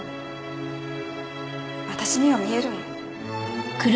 私には見えるの。